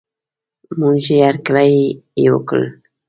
موږ هر کلی یې وکړ.